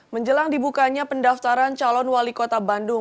menjelang dibukanya pendaftaran calon wali kota bandung